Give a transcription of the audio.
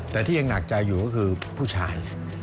แต่ที่ยังหนักใจอยู่ก็คือผู้ชาย